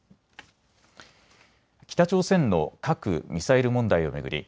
北朝鮮の核・ミサイル問題を巡り